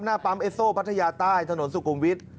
หน้าปั๊มเอสโซพัทยาใต้ถนนสุขุมวิทย์